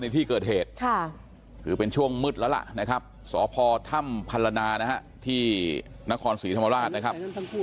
ในที่เกิดเหตุคือเป็นช่วงมืดแล้วล่ะนะครับสพถ้ำพันละนานะฮะที่นครศรีธรรมราชนะครับ